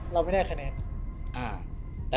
เราไม่ได้คะแนน